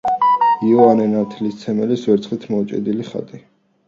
იოანე ნათლისმცემლის ვერცხლით მოჭედილი ხატი.